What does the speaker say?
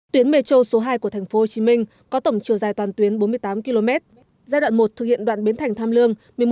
tuyến metro số hai của tp hcm có tổng chiều dài toàn tuyến bốn mươi tám km giai đoạn một thực hiện đoạn biến thành tham lương